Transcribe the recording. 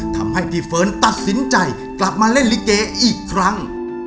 ทำให้พี่เฟิร์นตัดสินใจกลับมาเล่นลิเกอีกครั้ง